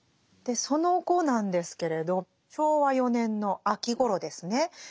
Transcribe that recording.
でその後なんですけれど昭和４年の秋ごろですね。